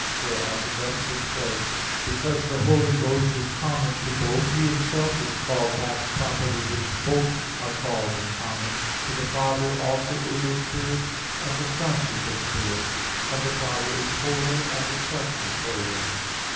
For, as Augustine says (De Trin. xv, 17; v, 11), "Because the Holy Ghost is common to both, He Himself is called that properly which both are called in common. For the Father also is a spirit, and the Son is a spirit; and the Father is holy, and the Son is holy."